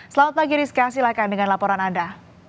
selamat pagi rizka silahkan dengan laporan anda